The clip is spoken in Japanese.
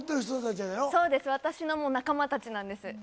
そうです、私のもう仲間たちなんです。